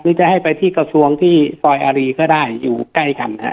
มิก็จะให้ไปที่กระทรวงที่ตรอยอารีย์ก็ได้อยู่ใกล้คันอ่ะ